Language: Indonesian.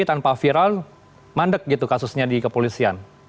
tanpa viral mandek gitu kasusnya di kepolisian